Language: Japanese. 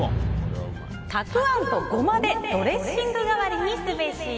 たくあんとゴマでドレッシング代わりにすべし。